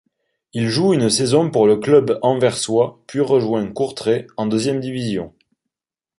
Il joue une saison pour le club anversois, puis rejoint Courtrai, en deuxième division.